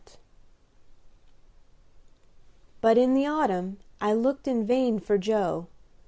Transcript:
IV But in the autumn I looked in vain for Joe.